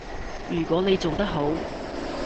如果你做得好